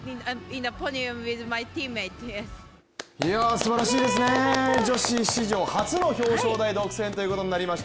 すばらしいですね、女子史上初の表彰台独占ということになりました。